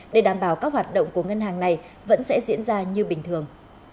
để đảm bảo các hoạt động của ngân hàng này vẫn sẽ diễn ra như bình thường